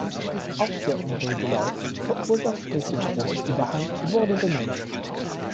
Auch der unruhige Lauf, verursacht durch den grossen Überhang, wurde bemängelt.